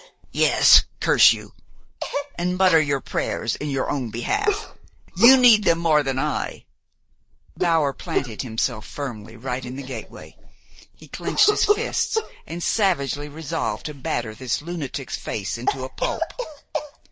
"Yes, curse you! And mutter your prayers in your own behalf. You need them more than I." Bower planted himself firmly, right in the gateway. He clenched his fists, and savagely resolved to batter this lunatic's face into a pulp.